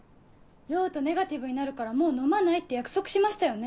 酔うとネガティブになるからもう飲まないって約束しましたよね？